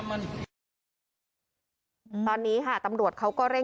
อัศวินธรรมชาติ